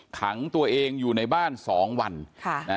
ขังตัวเองอยู่ในบ้าน๒วัน